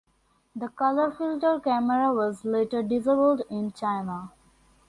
The color filter camera was later disabled in China.